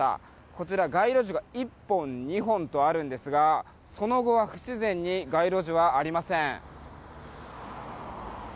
こちら街路樹が１本２本とあるんですがその後は不自然に街路樹はありません。